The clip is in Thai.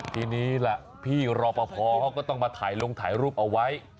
ทีนี้ล่ะพี่รอปภเขาก็ต้องมาถ่ายลงถ่ายรูปเอาไว้